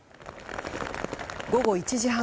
午後１時半